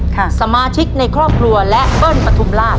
สมาชิกในครอบครัวและเบิ้ลปฐุมราช